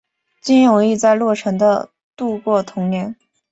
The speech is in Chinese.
金永玉在洛城的度过童年。